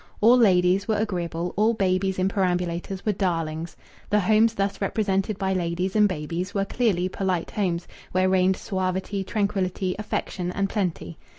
All ladies were agreeable, all babies in perambulators were darlings. The homes thus represented by ladies and babies were clearly polite homes, where reigned suavity, tranquillity, affection, and plenty.